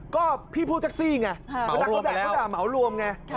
ก็พี่ผู้แท็กซี่ไงเพราะละก็ด่าเหมารวมไง